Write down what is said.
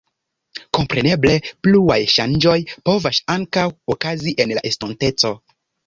Kompreneble, pluaj ŝanĝoj povas ankaŭ okazi en la estonteco.